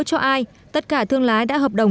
cho ai tất cả thương lái đã hợp đồng